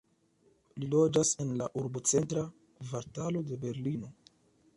Li loĝas en la urbocentra kvartalo de Berlino.